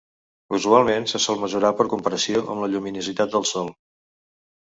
Usualment, se sol mesurar per comparació amb la lluminositat del Sol.